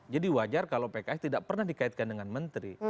jadi wajar kalau pks tidak pernah dikaitkan dengan menteri